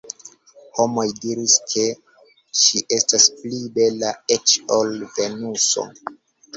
Homoj diris, ke ŝi estas pli bela eĉ ol Venuso.